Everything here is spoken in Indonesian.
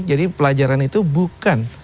jadi pelajaran itu bukan